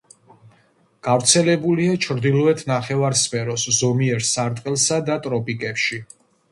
გავრცელებულია ჩრდილოეთ ნახევარსფეროს ზომიერ სარტყელსა და ტროპიკებში.